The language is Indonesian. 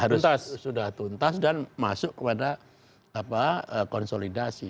harusnya sudah tuntas dan masuk kepada apa konsolidasi